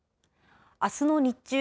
あすの日中